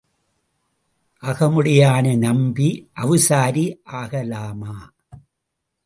அகமுடையானை நம்பி அவிசாரி ஆகலாமா?